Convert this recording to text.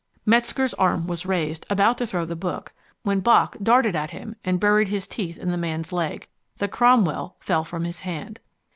Metzger's arm was raised, about to throw the book, when Bock darted at him and buried his teeth in the man's leg. The Cromwell fell from his hand.